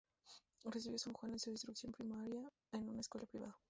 Recibió en San Juan su instrucción primaria en una escuela privada.